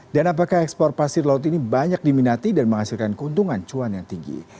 dan apakah ekspor pasir laut ini banyak diminati dan menghasilkan keuntungan cuan yang tinggi